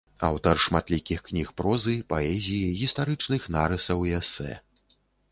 Аўтар шматлікіх кніг прозы, паэзіі, гістарычных нарысаў і эсэ.